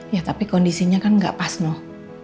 ya tapi kondisinya kan gak pas noh